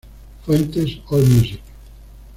Fuentes: Allmusic.